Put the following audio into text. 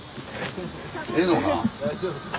ええのか？